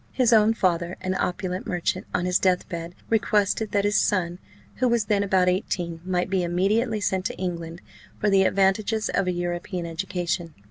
His own father, an opulent merchant, on his death bed requested that his son, who was then about eighteen, might be immediately sent to England for the advantages of a European education.